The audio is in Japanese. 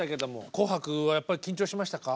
「紅白」はやっぱり緊張しましたか？